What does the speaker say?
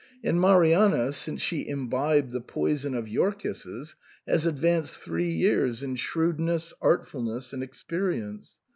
And Marianna, since she imbibed the poison of your kisses, has advanced three years in shrewdness, artfulness, and experience.